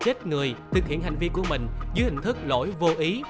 vô ý làm chết người thực hiện hành vi của mình dưới hình thức lỗi vô ý